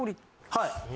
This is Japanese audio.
はい。